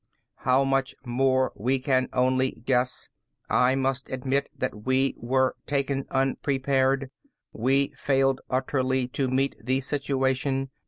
"How much more, we can only guess. I must admit that we were taken unprepared. We failed utterly to meet the situation.